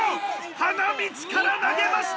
花道から投げました！